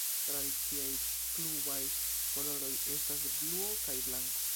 Tradiciaj klubaj koloroj estas bluo kaj blanko.